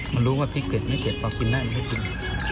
มันรู้ว่าพริกเกล็ดไม่เกล็ดป่าวกินได้มันไม่กิน